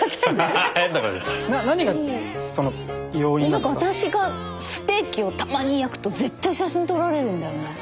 なんか私がステーキをたまに焼くと絶対写真撮られるんだよね。